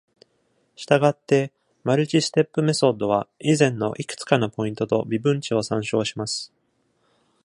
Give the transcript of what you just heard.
したがって、マルチステップメソッドは、以前のいくつかのポイントと微分値を参照します。